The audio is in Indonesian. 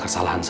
ami sudah tanya